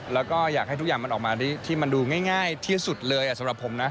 แล้วก็อยากให้ทุกอย่างมันออกมาที่มันดูง่ายที่สุดเลยสำหรับผมนะ